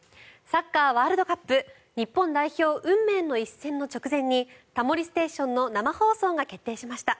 サッカーワールドカップ日本代表運命の一戦の直前に「タモリステーション」の生放送が決定しました。